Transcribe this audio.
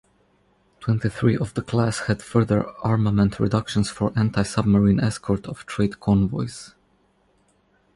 Twenty-three of the class had further armament reductions for anti-submarine escort of trade convoys.